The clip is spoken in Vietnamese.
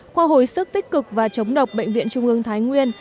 khoa hồi sức tích cực và chống độc bệnh viện trung ương thái nguyên